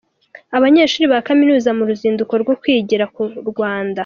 Abanyeshuri ba Kaminuza mu ruzinduko rwo kwigira ku Rwanda